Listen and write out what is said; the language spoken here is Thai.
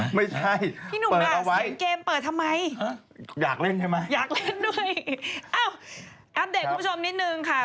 อ้าวอันเด็กคุณผู้ชมนิดหนึ่งค่ะ